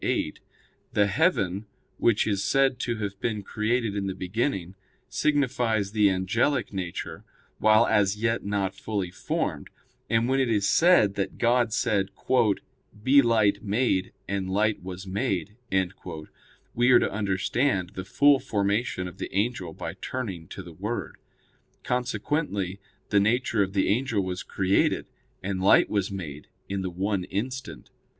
ii, 8), the "heaven," which is said to have been created in the beginning, signifies the angelic nature while as yet not fully formed: and when it is said that God said: "Be light made: and light was made," we are to understand the full formation of the angel by turning to the Word. Consequently, the nature of the angel was created, and light was made, in the one instant.